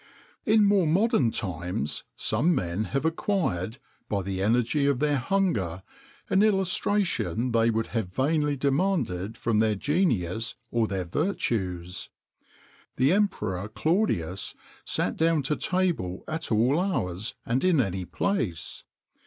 [XXIX 15] In more modern times, some men have acquired, by the energy of their hunger, an illustration they would have vainly demanded from their genius or their virtues. The Emperor Claudius sat down to table at all hours and in any place.